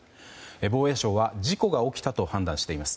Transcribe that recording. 防衛省は事故が起きたと判断しています。